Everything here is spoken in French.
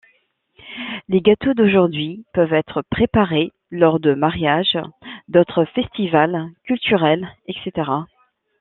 Les gâteaux d'aujourd'hui peuvent être préparés lors de mariages, d'autres festivals culturels, etc.